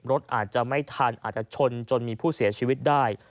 รถอาจจะไม่ทันอาจจะชนจนมีผู้เสียชีวิตได้